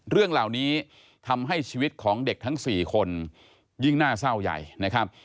เรื่องเหล่านี้ทำให้ชีวิตของเด็กทั้ง๔คนยิ่งน่าเศร้าใหญ่นะครับ